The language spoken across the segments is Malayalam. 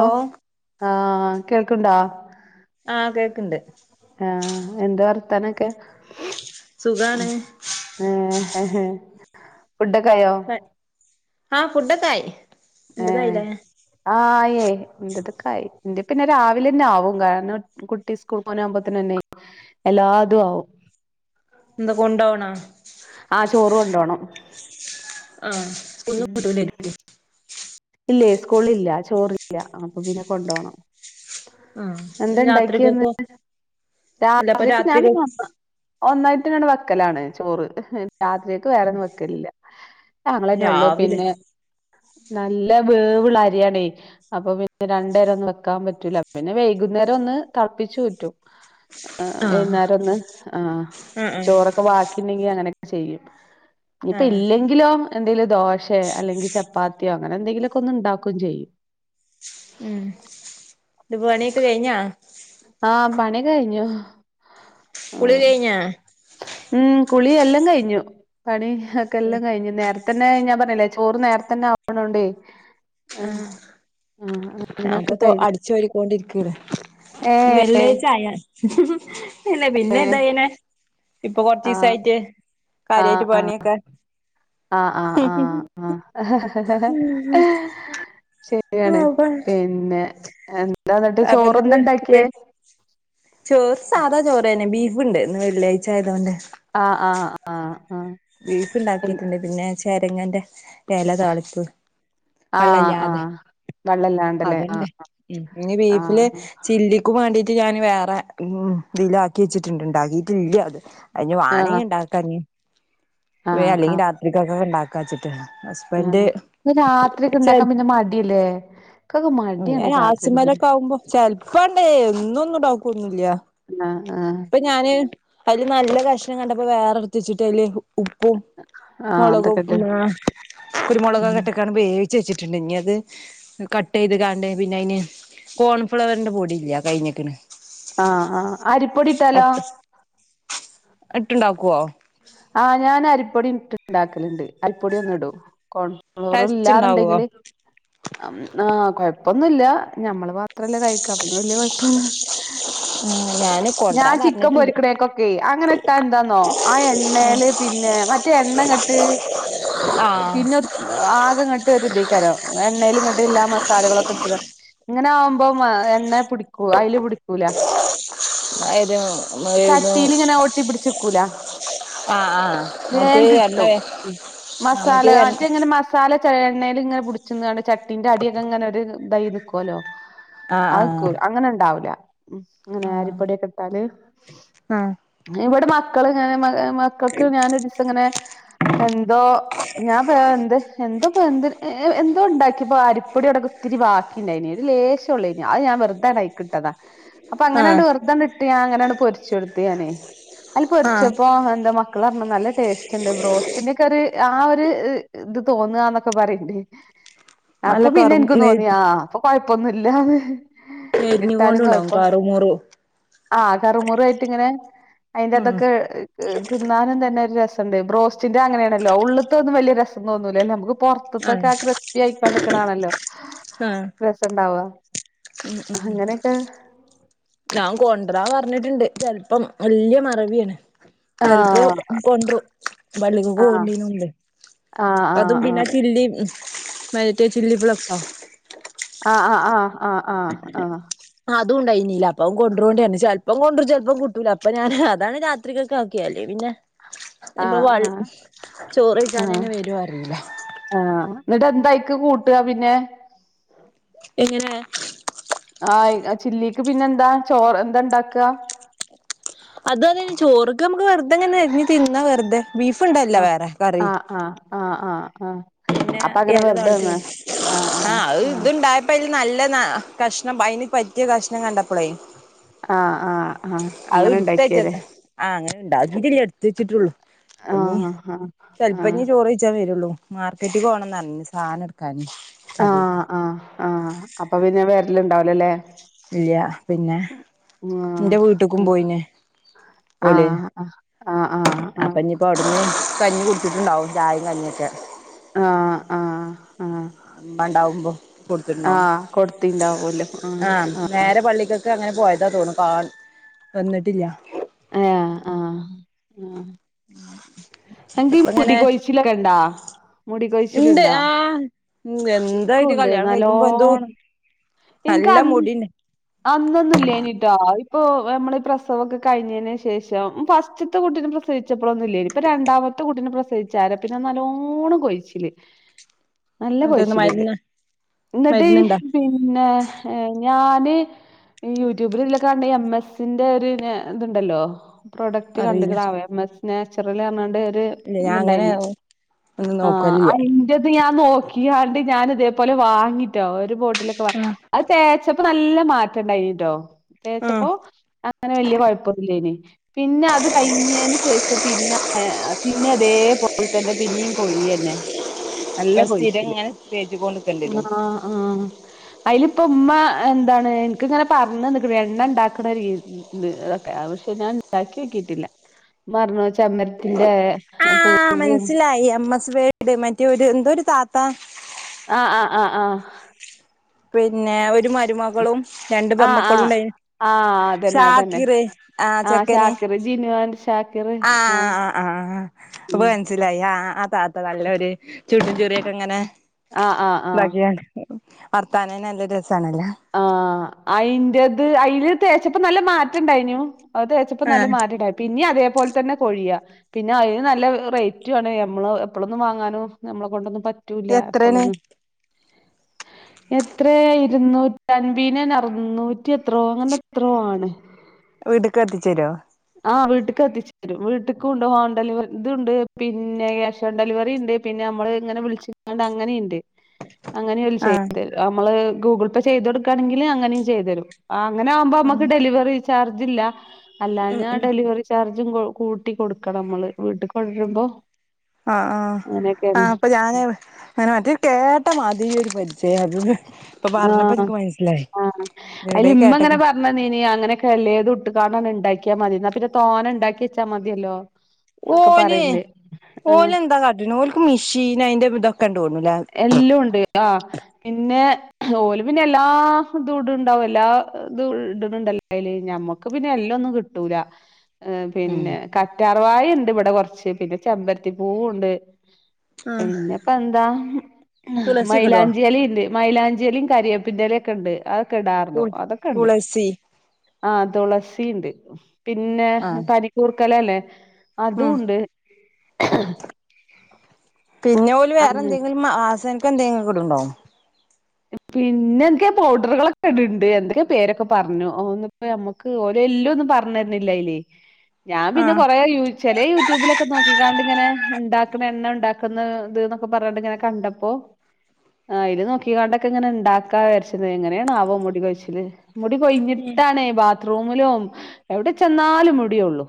ഒ ആ കേക്കണ്ട. ആ കേക്കണ്ട്. ആഹ എന്താ വർത്താനൊക്കെ. സുഖാണ്. ഫുഡൊക്കെ ആയോ. ആ ഫുഡൊക്കെ ആയി. ഏ ആയി ആയി എന്റെതൊക്കെ ആയി എൻ്റെ പിന്നെ രാവിലെ തന്നെ ആവും കാരണം. കുട്ടി സ്കൂൾ പോകനാകുമ്പോ തന്നെ എല്ലാതും ആവും. എന്താ കൊണ്ടോവണോ. ആ ചോറ് കൊണ്ടോണം. ആ [unintelligible] ഇല്ലേ സ്കൂളിൽ ഇല്ല ചോറ് ഇല്ല അപ്പൊ പിന്നെ കൊണ്ടോണം. ആഹ് എന്താ ഉണ്ടാക്കിയെ ഇന്ന്. രാത്രികക്കോ അല്ലപ്പൊ രാത്രിക്ക് ഞാൻ രാത്രിക ഒന്നായിട്ട് അങ്ങട് വെക്കലാണ് ചോറ് രാത്രി. വേറൊന്നും വെക്കലില്ല ഞങ്ങളന്നെ ഉള്ളൂ രാവിലെ പിന്നെ. നല്ല വേവുള്ള അരിയാണേ. അപ്പം പിന്നെ രണ്ടേരം ഒന്നും വെക്കാൻ പറ്റൂല പിന്നെ വൈകുന്നേരം ഒന്ന് തിളപ്പിച്ച് ഉറ്റും. ആ ആഹ് വൈകുന്നേരം ഒന്ന് ആ ആഹ് ആഹ് ചോറൊക്കെ ബാക്കിണ്ടെങ്കി അങ്ങനൊക്കെ ചെയ്യും. ഇപ്പം ആഹ് ഇല്ലെങ്കിലോ എന്തെലും ദോശയോ അല്ലെങ്കിൽ ചപ്പാത്തിയോ അങ്ങനെ എന്തെങ്കിലുമൊക്കെ ഒന്ന് ഉണ്ടാകും ചെയ്യും. ഉം. ഇത് ഇപ്പം പണിയൊക്കെ കഴിഞ്ഞാ. ആ പണി കഴിഞ്ഞു കുളി ആഹ് കഴിഞ്ഞാ ഉം കുളിയെല്ലാം കഴിഞ്ഞു പണി ഒക്കെ എല്ലാം കഴിഞ്ഞു നേരത്തെ തന്നെ ഞാൻ പറഞ്ഞിലേ ചോറ് നേരത്ത തന്നെ ആവണോണ്ടേ ആഹ് ആഹ് ആ അങ്ങനൊക്കെ അപ്പൊ കഴിഞ്ഞു അടിച്ചു വാരിക്കൊണ്ട് ഇരിക്കുന്ന് ഏഹ് വെള്ളിയാഴ്ച ആയാൽ ഒന്നുല്ല പിന്നെ എന്താ ഏഹ് ഇങ്ങനെ ഇപ്പൊ കൊറച്ച് ആഹ് ദിവസായിട്ട് കാര്യായിട്ട് പണി ഒക്കെ ആഹ ആ ആ ആ ഉം ആ ശരി അപ്പൊ [inaudible] പിന്നെ എന്താ എന്നിട്ട് ചോറ് അപ്പന്ന് എന്താ ഉണ്ടാക്കിയേ ചോറ് സാധാ ചോറന്നെ ബീഫ്ണ്ട് ഇന്ന് വെള്ളിയാഴ്ച ആയതോണ്ട് ആഹ് ആഹ് ആഹ് ആഹ് ബീഫ് ഇണ്ടാക്കിട്ടുണ്ട് പിന്നെ ചേരങ്ങൻ്റെ എല താളിപ്പ് ആഹ് വെള്ളല്ലാതെ ആഹ് വെള്ളല്ലാണ്ടല്ലേ അതണ്ട് ആഹ് ഉം ഇഞ്ഞി ബീഫില് ആഹ് ചില്ലിക്കും വേണ്ടിയിട്ട് ഞാൻ വേറെ ഉം ഇതിലാക്കി വെച്ചിട്ടുണ്ട്ണ്ടാക്കിട്ടില്ല അത് അയിഞ് ആഹ് വാണെങ്കി ഇണ്ടാക്കഞ് ഇ ആഹ് അല്ലെങ്കിൽ ആഹ് രാത്രികക്ക് ഇണ്ടാക്ക ച്ചിട്ട് ഹസ്ബൻറ് ആഹ് ഇത് രാത്രിയൊക്കെ ചെൽ ഇണ്ടാക്കാൻ പിന്നെ മടിയല്ലേ ഇക്കൊക്കെ മടിയാണ് രാത്രിയൊക്കെ ആസ്മല പിന്നെ ഒക്കെ ആകുമ്പോ ചെലപ്പാണ്ടേ എന്ന ഒന്നുംണ്ടോക്കന്നില്ല ആഹ് ആഹ് ഞാന് അയില് നല്ല കഷ്ണം കണ്ടപ്പോ വേറെ ഇട്ത് വച്ചിട്ട് അതില് ഉപ്പും ആഹ് മുളകും അതൊക്കെ ഇട്ട് ഉം കുരുമുളകൊക്കെട്ടക്കാണ് വേവിച്ച് വെച്ചിട്ടുണ്ട് ഇനി അത് കട്ട്യ്ത് കാണ്ട് പിന്നെ അതിന് കോൺഫ്ലവറിന്റെ പൊടി ഇല്ല അത് കഴിഞ്ഞക്കിന് ആഹ് ആഹ് അരിപ്പൊടി ഇട്ടാലോ ഇട്ട് ഇണ്ടാകുവോ ആഹ് ഞാൻ അരിപ്പൊടി ഇ ഇണ്ടാക്കലിണ്ട് അരിപ്പൊടിയോന്ന് ഇടും കോൺ ഫ്ലോർ ടേസ്റ്റ് ഉണ്ടാവോ ഇല്ലാന്നുണ്ടെങ്കില് ആഹ് കൊഴപ്പൊന്നുല്ല ഞമ്മള് മാത്രല്ലേ കഴിക്ക അപ്പൊ പിന്നെ വല്യ കൊഴപ്പൊന്ന ഉം ഞാന് ഞാൻ കൊണ്ടരാൻ ചിക്കൻ പറഞ്ഞിട്ടുണ്ട് പൊരിക്കണേക്കൊക്കെ അങ്ങനെ ഇട്ടാ എന്താന്നോ ആ എണ്ണൽ പിന്നെ മ മറ്റ എണ്ണങ്ങ്ട്ട് ആഹ് പിന്നെ ആകെ ഇങ്ങോട് ഇതേക്കരം എണ്ണൽ ഇങ്ങട്ട് എല്ലാ മസാലകളൊക്കെ ഇടുക്ക ഇങ്ങനെ ആകുമ്പോ എണ്ണ പിടിക്കൂ അതില് പിടിക്കൂല [inaudible] ഏത് ചട്ടിലിങ്ങനൊട്ടീ പിടിച്ചുകൂല ആഹ് ആഹ് വേ മറ്റേ എണ്ണ കിട്ടും ആഹ് മസാല മറ്റേത് എ മറ്റങ്ങനെ മസ മസാല ച എണ്ണയിൽ ഇങ്ങനെ പിടിച്ച ചട്ടീന്റെ അടിയൊക്കെ ഇങ്ങനെ ഒരു ഇതായി നിക്കുല്ലോ ആഹ് അഹ് അങ്ങനെ ഉണ്ടാവൂല ഇങ്ങനെ ആഹ് അരിപ്പൊടിയൊക്കെ ഇട്ടാല് ആഹ് ഇവിടെ മക്കൾ ഇങ്ങനെ മക്കൾക്ക് ഞാനൊരിസം ഇങ്ങനെ എന്തോ ഞാനിപ്പോ എന്ത് എന്തോപ്പോ എന്ത് എന്തോ ഉണ്ടാക്കിപ്പോ അരിപ്പൊടിട ഒത്തിരി ബാക്കിണ്ടായിന് ഒരു ലേശം ഉള്ളൂ അത് ഞാ വെറതായികിട്ടതാ അപ്പൊ അങ്ങനാ ആഹ് വെ ട്ട് അങ്ങനാണ് പൊരിച്ചെടുത്ത് ഞാനേ ആയിൽ ആഹ് പൊരിച്ചപ്പോ എന്താ മക്കള നല്ല ടേസ്റ്റ് ഉണ്ട് ബ്രോസ്റ്റിൻ്റെ ഒക്കെ ഒരു ആ ഒരു ഇത് തോന്നുന്നൊക്കെ പറയണ്ടേ നല്ല അപ്പൊ പിന്നെ ഇന്ക്കും ക്ക് കറു തോന്നി ആഹ് അപ്പൊ കൊഴപ്പൊന്നുല്ലാന്ന് മെരിഞ്ഞ കൊണ്ടണ്ടാവും കറു മുറു ആഹ് കറമുറയിട്ട് ഇങ്ങനെ അതിൻ്റെ ഉം അതൊക്കെ തിന്നാനും തന്നെ ഒരു രസുണ്ട് ബ്രോസ് സിൻ്റെ അങ്ങനെയണല്ലോ ഉള്ളൊതോന്നും വലിയ രസം തോന്നില്ലല്ലോ നമുക്ക് പൊറത്തത്തൊക്കെ ആഹ് ക്രിസ്പി ആയിക്കാണ്ട് ക്കണാണല്ലോ ആഹ് രസണ്ടാവ ഉം ഉം ഞാൻ കൊണ്ടരാ പറഞ്ഞിട്ടുണ്ട് ചെിലപ്പം വല്യ മറവിയാണ് ചെലപ്പോ ആഹ് കൊണ്ടും പള്ളിക്ക് ആഹ് പോണിൻ്റെ മുമ്പേ ആഹ് ആഹ് അതും പിന്ന ചില്ലി മറ്റേ ചില്ലി പ്ലക്സൊ ആഹ് ആഹ് ആഹ് ആഹ് ആഹ് ആഹ് അതുംണ്ടായിനീല്ല അപ്പ കൊണ്ടോണ്ടാണ് ചെലപ്പം കൊണ്ടറും ചെലപ്പം കിട്ടൂല അപ്പൊ ഞാന് അതാണ് രാത്രികക്ക് ആക്കിയെ അല്ലെങ്കി പിന്നെ ആഹ് ഇപ്പൊ ആഹ് വ ആഹ് ചോറയിച്ചാൻ ആഹ് തന്നെ വരോ അറില്ല ആഹ് ന്നിട്ട് എന്തായിക്ക് കൂട്ട പിന്നെ എങ്ങനെ ആഹ് ചില്ലിക്ക് പിന്നെന്താ ചോറ് എന്താ ഇണ്ടാക്ക അതന്നെ ചോർക്ക് നമ്മക്ക് വെർ തെങ്ങനെ അരിഞ്ഞി തിന്ന വെർ തെ ബീഫ് ഇണ്ടല്ല ആഹ് വേറെ കറി ആഹ് ആഹ് ആഹ് ആഹ് ആഹ് പിന്നെ അപ്പൊ അങ്ങനെ ഇല വെറുതെ താളി തിന്നാ ആഹ് ആഹ് അത് അത് ആഹ് ഇത്ണ്ടായപ്പോ അതിന് നല്ല കഷ്ണം അതിന് പറ്റിയ കഷ്ണം കണ്ടപ്പോളേ ആഹ് ആഹ് ആഹ് അങ്ങനെ ഇണ്ടാക്കിയല്ലേ ഇടുത്തച്ചത് ആഹ് അങ്ങനെണ്ടാക്കീട്ടില്ല എടുത്ത് വെച്ചിട്ടുള്ളൂ അപ്പൊ നീ ആഹ് ആഹ് ചെല്പ്പഞ്ഞി ചോറ് വെയിച്ചാൻ വരുള്ളൂ മാർക്കറ്റ്ക് പോണം ന്ന് പറഞിന് സാനം എടുക്കാന് കടേക്ക് ആഹ് ആഹ് ആഹ് അപ്പൊ പിന്നെ വെരല്ണ്ടാവൂല്ലല്ലേ ഇല്ല പിന്നെ എന്റെ വീട്ട്ക്കും പോയിന് ആഹ് ആഹ് ആഹ് ആഹ് ആഹ് ഇപ്പോ ഇനിപ്പോ അവിടുന്ന് കഞ്ഞി കുടുച്ചിട്ട്ണ്ടാവും ചായും കഞ്ഞിയൊക്കെ ആഹ് ആഹ് ആഹ് ഇമ്മ ഇണ്ടാവുമ്പോ കൊടുത്തിട്ടുണ്ടാവും ആഹ് കൊടുത്തീണ്ടാവല്ലോ ആഹ് ആഹ് നേരെ പള്ളിക്കൊക്ക് അങ്ങനെ പോയതാ തോന്നും കാണ് വന്നിട്ടില്ല അയാ ആഹ് ആഹ് [unintelligible] എങ്ങക്ക് ഈ മുടി ഇങ്ങനെ കോഴിച്ചിലൊക്കെ ഇണ്ടാ മുടികൊഴിച്ചില് ഇണ്ട് ഇണ്ടോ ആഹ് ഉം നിക്കും എന്തായിട്ട് ഉണ്ട് കല്യാണം കഴിക്കുമ്പോ എന്തോ നല്ലോണം എനിക്ക് നല്ല അ- ഇനിക്ക് മുടിണ്ട് അന്നൊന്നും ഇല്ലായിനീട്ടോ ഇപ്പൊ നമ്മള് പ്രസവൊക്കെ കഴിഞ്ഞതിന് ശേഷം ഫസ്റ്റ്ത്തെ കുട്ടിനെ പ്ര പ്രസഹിച്ചപ്പോളൊന്നു ഇല്ലായിനി ഇപ്പൊ രണ്ടാമത്തെ കുട്ടീനെ പ്രസവിച്ചാര പിന്നെ നല്ലോണം കൊഴിച്ചില് നല്ല മറ്റേന്ന് കൊയിച്ചില്ണ്ട് മരുന്ന് ന്നിട്ട് മരുന്നുണ്ടാ പിന്നെ ഏ ഞാന് ഈ യൂട്യൂബിൽ എല്ലം കണ്ട എം എസ്സിന്റെ ഒരു ഇതുണ്ടല്ലോ പ്രോഡക്റ്റ് അറിയില്ല കണ്ട്ക്ണാവോ എം എസ് നാച്ചുറൽ എന്ന് പറഞ്ഞ്ങാണ്ട് ഒര് ഇല്ല ഞാൻ അങ്ങനെ ഇത്ണ്ടായിന് ഒന്നും ആ നോക്കലില്ല ത് ഞാൻ നോക്കിയാണ്ട് ഞാൻ ഇതേപോലെ വാങ്ങിട്ടോ ഒരു ബോട്ടിലൊക്കെ വാ- ആഹ് അത് തേച്ചപ്പോ നല്ല മാറ്റംണ്ടായിനിട്ടോ ആഹ് തേച്ചപ്പോ അങ്ങനെ വല്യ കുഴപ്പൊന്നില്ലായ്നി പിന്നെ അത് കഴിഞ്ഞതിന് ശേഷം പിന്നെ പിന്നെ അതേപോലെ തന്നെ പിന്നെയും കൊഴിയെന്നെ നല്ല കൊഴിച്ചില് തേച്ചു കോണ്ട് ആഹ് ആഹ് അയില് ഇപ്പം ഇമ്മ എന്താണ് എനക്ക് ഇങ്ങനെ പറഞ്ഞു തന്ന്ക്ക്ണ് എണ്ണ ഇണ്ടാക്ണ രീതി അതൊക്കെ പക്ഷെ ഞാൻണ്ടാക്കി നോക്കിയിട്ടില്ല ഇമ്മ പറഞ്ഞു ചെബരത്തിന്റെ പൂ- ആഹ് മനസ്സിലായി എം എസ് വേൾഡ് മറ്റേ ഒരു എന്തൊ ഒരു താത്ത ആഹ് ആഹ് ആഹ് ആഹ് പിന്നെ ഒരു മരുമകളും രണ്ട് ആഹ് പെൺമ്മക്കളും ആഹ് ഉണ്ടായിനെ ആഹ് അതന്നെ അതന്നെ ആഹ് ശാക്കിർ ജിനു ആൻഡ് ശാക്കിർ ആഹ് ഉം അപ്പൊ ല്ലേ മനസ്സിലായി ആഹ് ആഹ് ആതാത്ത നല്ലൊരു ചുണ്ടുംചിറിയൊക്കെ ങ്ങനെ ആഹ് ആഹ് ആഹ് ഇതാക്കിക്കാണ്ട് വർത്താനെന്നെ നല്ല രസാണല്ലോ ആഹ് അയിൻറത് അയിൽ തേച്ചപ്പം നല്ല മാറ്റം ഇണ്ടായിനും അത് തേച്ചപ്പോ നല്ല ആഹ് മാറ്റണ്ടായി പിന്നേം അതേപോലെ തന്നെ കൊഴിയാ പിന്നെ അയിന് നല്ല റേറ്റും ആണ് നമ്മള് എപ്പോളൊന്നും വാങ്ങാനും നമ്മളെ കൊണ്ടൊന്നും പററൂ- -റ്റൂല്ലാ എത്രേണ് എപ്പോളൊന്നും എത്രയ ഇരുന്നൂറ്റ- ൻബീനൻ അറുന്നൂറ്റി എത്രോ അങ്ങനെ എത്രോ ആണ് വീട്ടിക്ക് എത്തിച്ചു തരുവോ ആഹ് വീട്ടിക്ക് എത്തിച്ചു തരും വീട്ടിക്ക് ഉണ്ട് ഹോം ഡെലിവ ഇത്ണ്ട് പിന്നെ കാഷ് ഓൺ ഡെലിവറി ഉണ്ട് പിന്നെ നമ്മള് ഇങ്ങനെ വിളിച്ചിങാണ്ട് അങ്ങനെയുണ്ട് അങ്ങനെയും ഓല് ആഹ് ചെയ്തുതരും നമ്മള് ഗൂഗിൾ പേ ചെയ്ത് കൊടുക്കുകയാണെങ്കിൽ അങ്ങനെയും ചെയ്തു തരും ആഹ് അങ്ങനെ ആവുമ്പോ നമുക്ക് ആഹ് ഡെലിവറി ചാർജ് ഇല്ല ഉം അല്ലാഞ്ഞാ ഉം ഡെലിവറി ചാ- ചാർജും കോ കൂട്ടി കൊടുക്കണം നമ്മള് വീട്ടിക് ആഹ് ആഹ് അങ്ങനെയൊക്കെയാണ് ആഹ് അപ്പൊ ഞാന് അങ്ങനെ മറ്റേ കേട്ട മാതിരി ഒരു പരിചയം അത് ഇപ്പൊ പറഞ്ഞപ്പോ ആഹ് എനിക്ക് മനസ്സിലായി ആഹ് എവിടെ കേട്ടക്ക അലിമ്മങ്ങനെപറ നനി അങ്ങനൊക്കെല്ലേത്ട്ട് കാണ് ഉണ്ടാക്കിയാ മതി എന്നാൽ പിന്നെ തോന ഉണ്ടാക്കി വെച്ചാ മതിയല്ലോ എന്നൊക്കെ ഓന് പറയണ്ട് ആഹ് ഓല എന്താ കാടണ് ഓലുക്ക് മിഷീൻ അയിന്റെ ഇതൊക്കെണ്ടോണല എല്ലുണ്ട് ആഹ് പിന്നെ ഓല് പിന്നെ എല്ലാ ഇതുടുണ്ടാവു എല്ലാ ഇത് ഇടുണുണ്ടല്ലോ അതില് ഞമ്മക്ക് പിന്നെ എല്ലം ഒന്നും കിട്ടൂല ഏഹ് ഉം പിന്നെ കറ്റാർവായ ഉണ്ട് ഇവിടെ കൊറച്ച് പിന്നെ ചെമ്പരത്തിപ്പൂവും ഉണ്ട് ആഹ് പിന്നെപ്പ എന്താ തുളസിയൊക്കെ ഇടോ മൈലാഞ്ചിലിട്ട് മൈലാഞ്ചിലിയും കരിയേപ്പിൻന്റെലിയ ഒക്കെ ഉണ്ട് അതൊക്കെ തു ഇടാർന്നു അതൊക്കെ ഉണ്ട് തുളസി ആഹ് തുളസിണ്ട് പിന്നെ ആഹ് പനിക്കൂർക്കലല്ലേ അതും ഉം ഉണ്ട് പിന്നെ ഓല് വേറെ അങ്ങനെ എന്തെങ്കിലും മാ അസാനത്തെ എന്തെങ്കിലുംക്കൂടെ ഇട്ട്ടോ പിന്നെ എൻകെ പൗഡറുകളൊക്കെ ഇടുണ്ട് എന്തൊക്കെയാ പേരൊക്കെ പറഞ്ഞുന്നിപ്പോമ്മക ക്ക് ഓല് എല്ലൊന്നും പറഞ്ഞിരുന്നില്ല അയില് ഞാൻ പിന്നെ ആഹ് കൊറ യൂട്യൂ ചെല യൂട്യൂബിലൊക്കെ നോക്കിക്കാട്ട് ഇങ്ങനെ ഉണ്ടാക്കണ എണ്ണ ഉണ്ടാക്കുന്ന ഇത്പറഞ്ഞണ്ട് ഇങ്ങനെ കണ്ടപ്പോ ആഹ് അയില് നോക്ക കാണ്ട് ഇങ്ങനെ ഉണ്ടാക്കാ വരച്ചത് എങ്ങനെയണാവോ മുടി കൊഴിച്ചില് മുടി കൊഞ്ഞിട്ടാണേ ബാത്ത് ത്റൂമിലും എവിടെ ചെന്നാലും മുടിയെള്ളൂ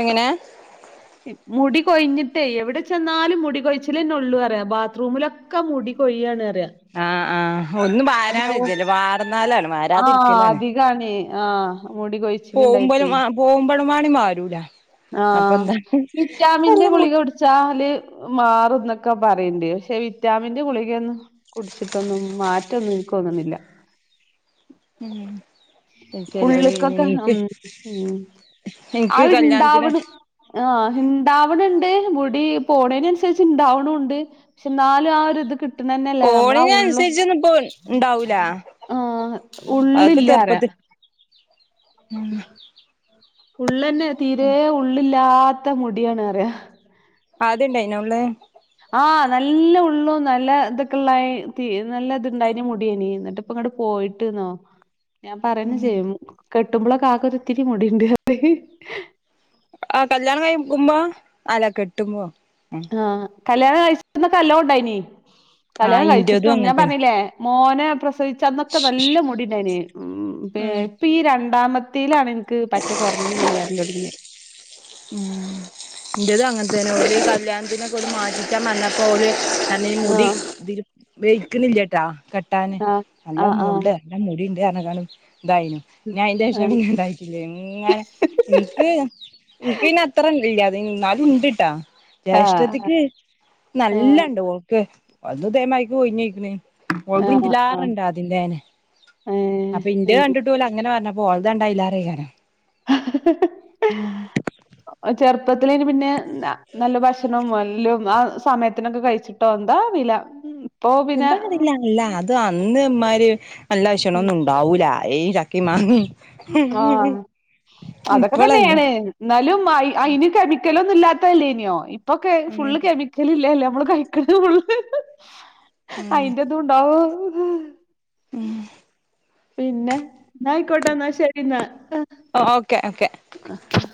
എങ്ങനെ മുടി കൊഞ്ഞിട്ടേ എവിടെ ചെന്നാലും മുടി കൊഴിച്ചിലന്നെ ഉള്ളു പറയാ ബാത്റൂമിലൊക്കെ ക്ക മുടി കൊയ്യാണ്റിയാ ആഹ് ആഹ് ഒന്നും വരാൻ വിച്ചില്ല വർന്നാലാണ് വാരതിരിക്കലാണ് ന്നാണേ ആഹ് മുടികൊയ് പോകുമ്പോലും ആഹ് പോകുമ്പോഴമാണി മാരൂല ആഹ് വിറ്റാമിന്റെ മു ഗുളിക കൊടു ചാല് മാറുന്നൊക്കെ പറയട്ട് പക്ഷെ വിറ്റാമിന്റെ ഗുളികയന്നു കുടിച്ചിട്ടൊന്നും മാറ്റൊന്നും എനിക്കുന്നണില്ല ഉം ഉള്ക്കൊക്കെ ഉം ഉം എനിക്ക് അത് കല്യാണത്തിന് ഇണ്ടാവണ് ആഹ് ഉണ്ടാവണണ്ട് മുടി പോണേന് അനുസരിച്ച് ഇണ്ടാവണുണ്ട് പക്ഷെ നാലും ആഹ് ഒരു ഇത് കിട് ട്ടുതന്നെല്ലേ നമ്മളാ കോണിന് ഉള്ളും അനുസരിച്ചൊന്നും ഇപ്പോ ഇണ്ടാവൂല ആഹ് ഉള്ളില്ലറയ ഉം ഉള്ളന്നെ തീരെ ഉള്ളില്ലാത്ത മുടിയാണ്റയ ആദ്യണ്ടായിന ഉള്ള് ആഹ് നല്ല ഉള്ളും നല്ല ഇതൊക്കെള്ളായി തീ നല്ല ഇത്ണ്ടായിന് മുടിയനി എന്നിട്ട് പ്പ ഇങ്ങട് പോയിട്ട്ന്നോ ഞാൻ പറയന്ന ഉം ചെയ്യും കെട്ടുമ്പോളക്കെ കാകെ ഒരു ഇത്തിരി മുടിണ്ട് ആഹ് കല്യാണം കഴിക്കുമ്പോ അല്ല കെട്ടുമ്പോ ആഹ് കല്യാണം കഴിച്ചന്നൊ കല്ലോ ഉണ്ടായിനി ആഹ് കല്യാണം ഇന്റതും കഴിച്ചിട്ടും ഞാൻ അങ്ങൻതന്നെ പറഞ്ഞില്ലേ മോനെ പ്രസവിച്ച അന്നൊക്കെ നല്ല മുടിണ്ടായിന് ഉം പിന്നെ ഉം ഇപ്പി ഈ രണ്ടാമത്തിലാണ്ൻക്ക് പറ്റെ കൊർഞ്ഞിങ്ങനെ വെര്ലൊട്ങ്ങിയെ ഉം, ന്റെതു അങ്ങൻതന്നെ ഓല് കല്യാൺത്തിനെക്കെ ഓല് മാറ്റിച്ചാൻ വന്നപ്പോ ഓല് ര [unintelligible] മുടി ആഹ് തില് വെയ്ക്ക്ണില്ല്യട്ടാ കെട്ടാന് ആഹ് നല്ല മുട ആഹ് ല്ല മുടിണ്ട് അർഞ്ഞികാണ്ട് ദായീനു. ഞാഐൻ്റെഷം ആഹ് പിന്നെന്തായി [unintelligible] ങ്ങനെ ഇൻക്ക് ഇൻക്ക് പിന്നെ അത്തറ ഇല്ല്യ. ന്നാലും ഉണ്ട്ട്ടാ ആഹ് ആഹ് ജ്യേഷ്ഠത്തിക്ക് നല്ലണ്ട് ഓക്ക് ഒൾത് ദേമായ്ക്ക് കൊ യ്ഞ്ഞെയ്ക്ക്ണ്. ഓൾത് ആഹ് ആഹ് ആഹ് ൻ്റിലേറണ്ടാതിൻ്റെന്നെ അപ്പിൻ്റെ കണ്ട് ഓല അങ്ങനെ പർഞ്ഞപ്പോ ഓൾതണ്ടായിലാറായികാരം. ഉം ആ ചെർപ്പത്തിലേന് പിന്നെ ന നല്ല ഭക്ഷണും എല്ലും ആ സമയത്തിനൊക്കെ കഴി ച്ചിട്ടോ ന്താ വില ഉം എന്താണതില്ല എല്ല അത് അന്ന്മ്മാര് നല്ല ഷണൊന്നുണ്ടാവൂലാ ഏയ് ക്കി മാങ്ങി ആഹ് പ്പളല്ലേ ന്നാലും അയ് അയ്ന് കെമിക്കലൊന്നുല്ലാത്തേല്ലേന്യോ. ഇപ്പൊക്കെ ഫുള്ള് ഉം കെമി ക്കലില്ലേല്ലേ അമ്മള് കയിക്ക്ണേ ഫുള്ള് ഉം അയിന്റതുണ്ടാവൂ [unintelligible] പിന്നെ ന്നായ്ക്കോട്ടെ ന്നാ ശെരിന്ന. Okay, okay [unintelligible]